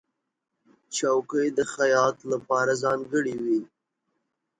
چوکۍ د خیاط لپاره ځانګړې وي.